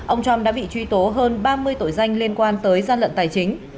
ông trump đã bị truy tố hơn ba mươi tội danh liên quan tới gian lận tài chính